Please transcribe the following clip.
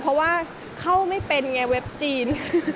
เพราะว่าเข้าไม่เป็นไงเว็บจีน